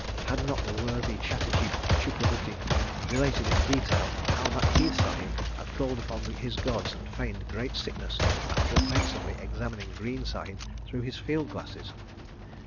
Had not the worthy Chatterji Chuckerbutti related in detail how Macteith Sahib had called upon his gods and feigned great sickness after offensively examining Greene Sahib through his field glasses?